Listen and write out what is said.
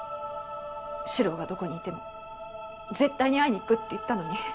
獅郎がどこにいても絶対に会いに行くって言ったのに。